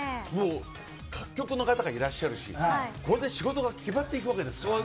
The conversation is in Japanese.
各局の方がいらっしゃるしこれで仕事が決まっていくわけです。